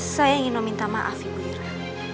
saya ingin meminta maaf ibu ira